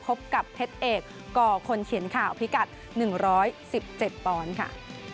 พบกับเพชรเอกก่อคนเขียนข่าวพิกัด๑๑๗ปอนด์ค่ะ